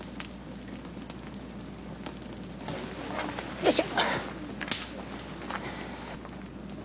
よいしょ。